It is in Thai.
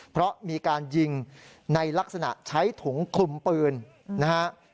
เพราะมีการยิงในลักษณะใช้ถุงคลุมปืนนะฮะ